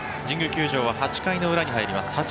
神宮球場は８回の裏に入ります。